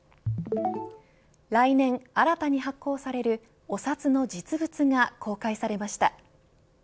来年、新たに発行されるお札の実物が公開されました。